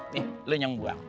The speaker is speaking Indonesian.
nih lo nyembuang